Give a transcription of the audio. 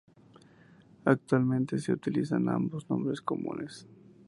Actualmente se utilizan ambos nombres comunes.